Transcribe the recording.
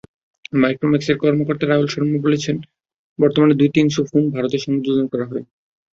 মাইক্রোম্যাক্সের কর্মকর্তা রাহুল শর্মা বলেছেন, বর্তমানে দুই-তৃতীয়াংশ ফোন ভারতে সংযোজন করা হয়।